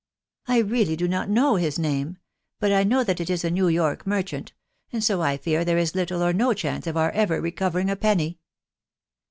" I really do not know his name, but I know that it is a New York merchant, and so I fear there is little or no chance of our ever recovering a penny."